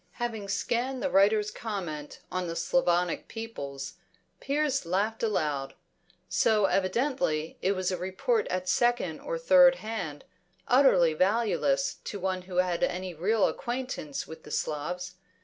Having scanned the writer's comment on the Slavonic peoples, Piers laughed aloud; so evidently it was a report at second or third hand, utterly valueless to one who had any real acquaintance with the Slavs.